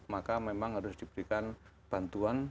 maka memang harus diberikan bantuan berubah dan keuangan